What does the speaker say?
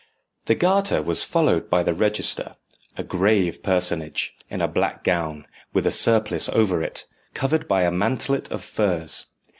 The Garter was followed by the register, a grave personage, in a black gown, with a surplice over it, covered by a mantelet of furs.